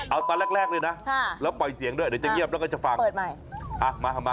เอาตอนแรกเลยนะแล้วปล่อยเสียงด้วยเดี๋ยวจะเงียบแล้วก็จะฟังเปิดใหม่